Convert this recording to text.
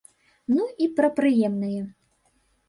Ну і пра прыемнае.